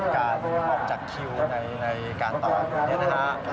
การออกจากคิวในการต่ออยู่เนี่ยนะคะ